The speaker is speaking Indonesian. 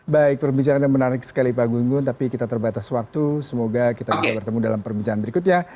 baik perbincangan yang menarik sekali pak gunggun tapi kita terbatas waktu semoga kita bisa bertemu dalam perbincangan berikutnya